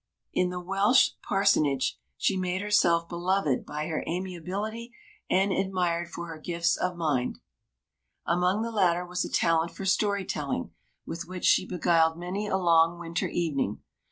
In the Welsh parsonage she made herself beloved by her amiability and admired for her gifts of mind. Among the latter was a talent for story telling, with which she beguiled many a long, winter evening.